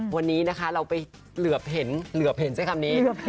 วันนี้นะคะเราไปเหลือบเห็นเหลือบเห็นใช้คำนี้